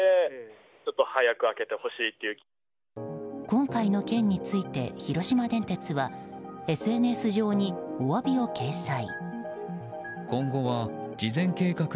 今回の件について広島電鉄はＳＮＳ上におわびを掲載。